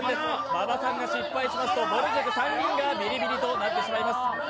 馬場さんが失敗しますとぼる塾３人がビリビリとなってしまいます。